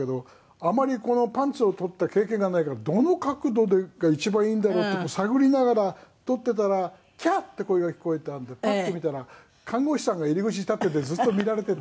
「あんまりパンツを撮った経験がないからどの角度が一番いいんだろうっていうのを探りながら撮っていたら“キャー！”っていう声が聞こえたんでパッて見たら看護師さんが入り口に立っていてずっと見られていたっていう」